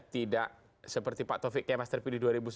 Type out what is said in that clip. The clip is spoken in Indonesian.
tidak seperti pak taufik kemas terpilih dua ribu sembilan belas